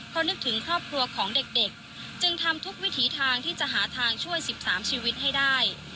เพราะนึกถึงครอบครัวของเด็กจึงทำทุกวิถีทางที่จะหาทางช่วย๑๓ชีวิตให้ได้